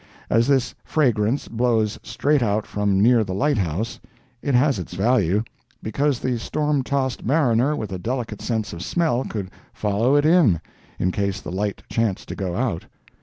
As this fragrance blows straight out from near the lighthouse, it has its value—because the storm tossed mariner with a delicate sense of smell could follow it in, in case the light chanced to go out.